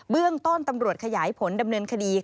เรื่องต้นตำรวจขยายผลดำเนินคดี